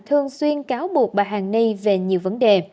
thường xuyên cáo buộc bà hàn ni về nhiều vấn đề